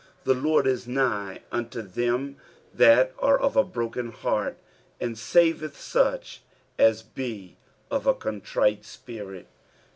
18 The Lord is nigh unto them that are of a broken heart ; and saveth such as be of a contrite spirit.